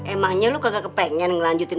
emangnya lo kagak kepengen ngelanjutin